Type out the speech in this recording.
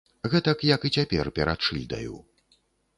Гэтак, як і цяпер перад шыльдаю.